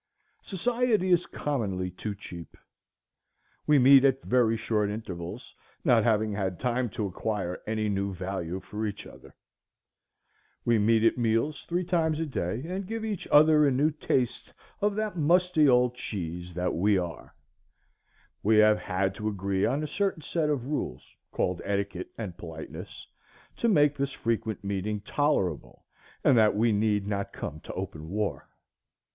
Society is commonly too cheap. We meet at very short intervals, not having had time to acquire any new value for each other. We meet at meals three times a day, and give each other a new taste of that old musty cheese that we are. We have had to agree on a certain set of rules, called etiquette and politeness, to make this frequent meeting tolerable and that we need not come to open war.